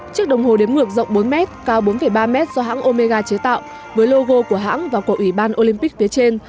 trước đồng hồ đếm ngược rộng bốn mét cao bốn ba mét do hãng omega chế tạo với logo của hãng và của ủy ban olympic phía trên